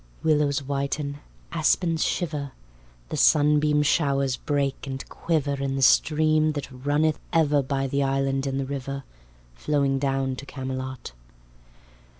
Willows whiten, aspens shiver, The sunbeam showers break and quiver In the stream that runneth ever By the island in the river, Flowing down to Camelot.